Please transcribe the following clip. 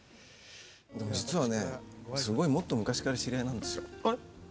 実はねすごいもっと昔から知り合いなんですよ。